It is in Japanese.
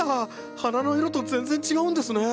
花の色と全然違うんですねえ。